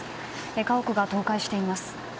家屋が倒壊しています。